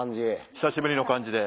久しぶりの感じで。